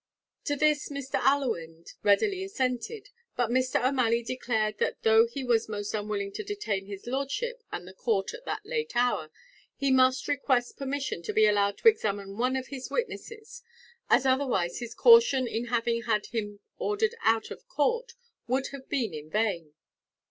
To this Mr. Allewinde readily assented; but Mr. O'Malley declared that though he was most unwilling to detain his lordship and the court at that late hour, he must request permission to be allowed to examine one of his witnesses, as otherwise his caution in having had him ordered out of court, would have been in vain.